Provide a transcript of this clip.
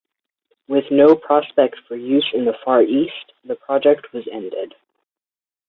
With no prospect for use in the Far East, the project was ended.